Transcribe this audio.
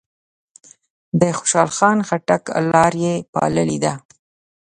د خوشحال خان خټک لار یې پاللې ده.